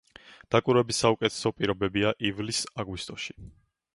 დაკვირვების საუკეთესო პირობებია ივლის-აგვისტოში.